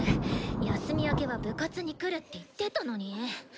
休み明けは部活に来るって言ってたのに。